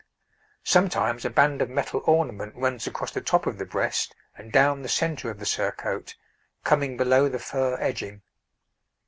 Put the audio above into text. Sometimes a band of metal ornament runs across the top of the breast and down the centre of the surcoat, coming below the fur edging.